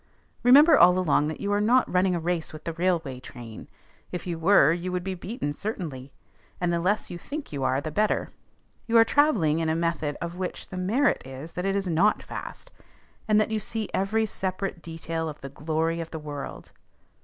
Remember all along that you are not running a race with the railway train. If you were, you would be beaten certainly; and the less you think you are, the better. You are travelling in a method of which the merit is that it is not fast, and that you see every separate detail of the glory of the world.